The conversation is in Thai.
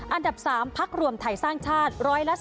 อันดับ๓พักรวมไทยสร้างชาติ๑๔